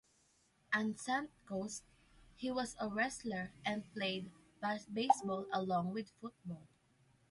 At Suncoast, he was a wrestler and played baseball along with football.